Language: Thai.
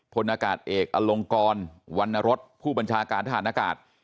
พลอากาศเอกอลงกรวรรณรสผู้บัญชาการทหารอากาศ